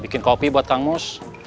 bikin kopi buat kang mus